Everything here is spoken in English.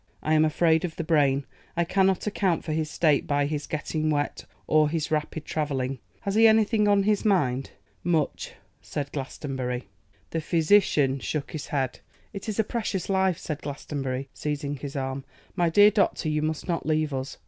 I am afraid of the brain. I cannot account for his state by his getting wet or his rapid travelling. Has he anything on his mind?' 'Much,' said Glastonbury. The physician shook his head. 'It is a precious life!' said Glastonbury, seizing his arm. 'My dear doctor, you must not leave us.